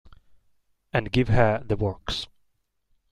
And give her the works.